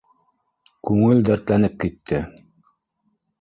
Күңел дәртләнеп китте.